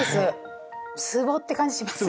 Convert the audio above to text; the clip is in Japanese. つぼって感じしますね。